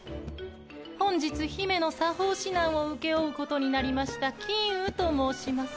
本日姫の作法指南を請け負うことになりました金烏と申します。